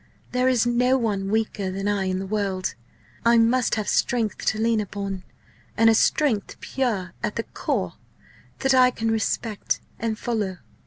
There is no one weaker than I in the world. I must have strength to lean upon and a strength, pure at the core, that I can respect and follow.